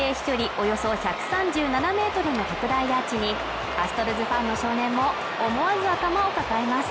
およそ１３７ｍの特大アーチにアストロズファンの少年も思わず頭を抱えます